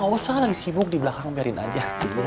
gak usah lagi sibuk di belakang biarin aja